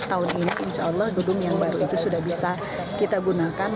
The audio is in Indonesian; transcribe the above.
tahun ini insya allah gedung yang baru itu sudah bisa kita gunakan